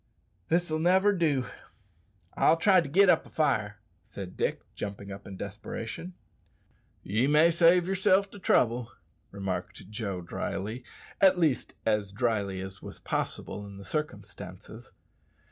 "This'll never do. I'll try to git up a fire," said Dick, jumping up in desperation. "Ye may save yerself the trouble," remarked Joe dryly at least as dryly as was possible in the circumstances.